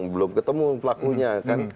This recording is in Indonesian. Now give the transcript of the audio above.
belum ketemu pelakunya